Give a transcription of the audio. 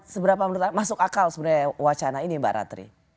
seberapa masuk akal sebenarnya wacana ini mbak ratri